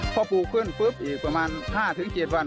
พอปลูกขึ้นปุ๊บอีกประมาณ๕๗วัน